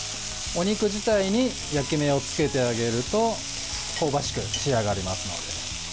お肉自体に焼き目をつけてあげると香ばしく仕上がりますので。